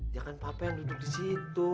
jangan papa yang duduk disitu